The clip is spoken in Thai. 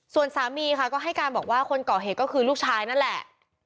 ส่วนสามีค่ะก็ให้การบอกว่าคนก่อเหตุก็คือลูกชายนั่นแหละ